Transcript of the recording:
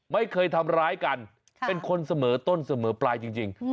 ไม่เคยทำร้ายกันเป็นคนเสมอต้นเสมอปลายจริง